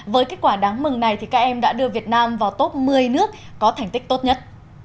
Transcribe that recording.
với kết quả đáng mừng này các em đã đưa việt nam vào top một mươi nước có thành tích tốt nhất